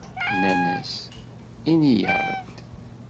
Nnan-as: "Ini-aɣ-d."